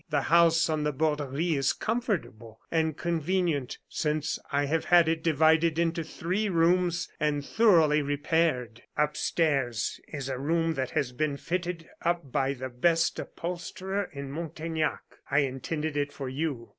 The house on the Borderie is comfortable and convenient, since I have had it divided into three rooms and thoroughly repaired. "Upstairs is a room that has been fitted up by the best upholsterer in Montaignac. I intended it for you.